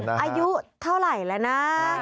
อายุเท่าไหร่แล้วนะ